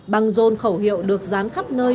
bằng rôn khẩu hiệu được dán khắp nơi